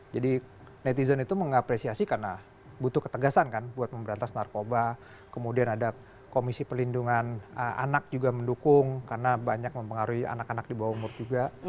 jadi netizen itu mengapresiasi karena butuh ketegasan kan buat memberantas narkoba kemudian ada komisi pelindungan anak juga mendukung karena banyak mempengaruhi anak anak di bawah umur juga